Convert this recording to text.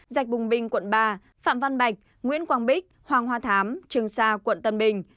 dạch bùng binh quận ba phạm văn bạch nguyễn quang bích hoàng hoa thám trường sa quận tân bình